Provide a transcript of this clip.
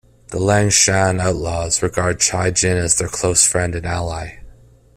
The Liangshan outlaws regard Chai Jin as their close friend and ally.